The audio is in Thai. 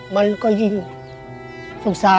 มันก็ยิ่งสงสาร